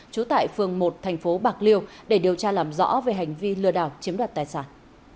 trú tại phường một thành phố bạc liêu để điều tra làm rõ về hành vi lừa đảo chiếm đoạt tài sản